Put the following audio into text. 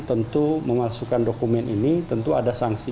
tentu memasukkan dokumen ini